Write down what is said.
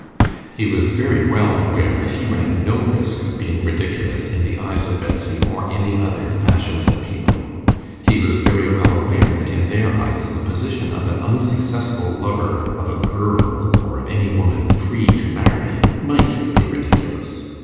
He was very well aware that he ran no risk of being ridiculous in the eyes of Betsy or any other fashionable people. He was very well aware that in their eyes the position of an unsuccessful lover of a girl, or of any woman free to marry, might be ridiculous.